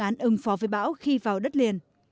án ứng phó với bão khi vào đất liền